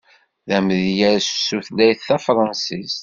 D amedyaz s tutlayt tafransist.